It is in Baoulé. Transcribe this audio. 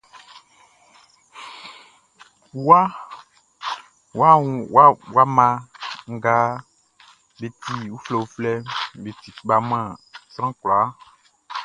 Uwka mma nga be ti uflɛuflɛʼn, be ti kpa man sran kwlaa.